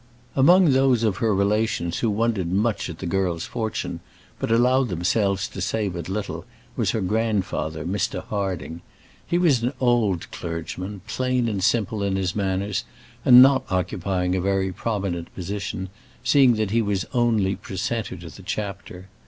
Among those of her relations who wondered much at the girl's fortune, but allowed themselves to say but little, was her grandfather, Mr. Harding. He was an old clergyman, plain and simple in his manners, and not occupying a very prominent position, seeing that he was only precentor to the chapter.